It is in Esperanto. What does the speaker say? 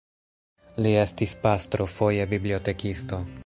Li estis pastro, foje bibliotekisto.